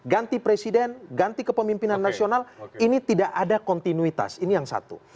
ganti presiden ganti kepemimpinan nasional ini tidak ada kontinuitas ini yang satu